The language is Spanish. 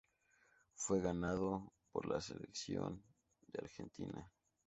Fue ganado por la selección de Argentina.